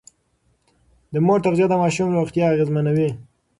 د مور تغذيه د ماشوم روغتيا اغېزمنوي.